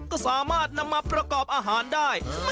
ก็สามารถนำมาประกอบอาหารได้